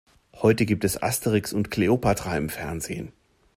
Heute gibt es Asterix und Kleopatra im Fernsehen.